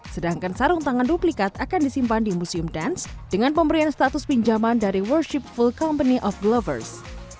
sedangkan sarung tangan duplikat akan disimpan di museum dance dengan pemberian status pinjaman dari worship full company of glovers